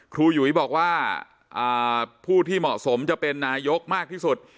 หยุยบอกว่าผู้ที่เหมาะสมจะเป็นนายกมากที่สุด